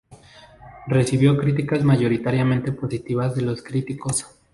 Recibió críticas mayoritariamente positivas de los críticos.